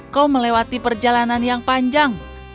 kau melewati perjalanan yang panjang